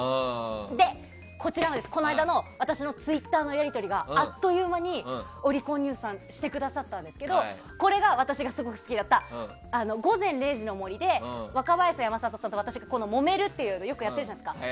で、この間の私のツイッターのやり取りがあっという間にオリコンニュースさんしてくださったんですけどこれが私がすごく好きだった「午前０時の森」で若林さんと山里さんと私がもめるっていうのをよくやってるじゃないですか。